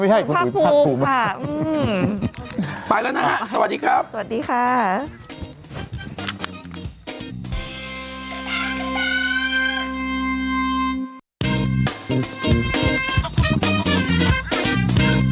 ไม่ใช่คุณอุ๋ยพักผูกค่ะไปแล้วนะฮะสวัสดีครับสวัสดีค่ะ